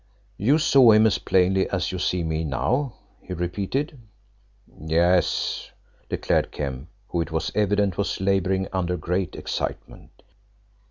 "You saw him as plainly as you see me now?" he repeated. "Yes," declared Kemp, who, it was evident, was labouring under great excitement.